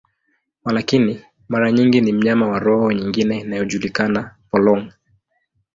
Walakini, mara nyingi ni mnyama wa roho nyingine inayojulikana, polong.